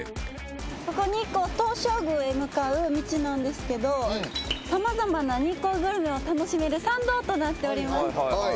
ここ日光東照宮へ向かう道なんですけど様々な日光グルメを楽しめる参道となっております。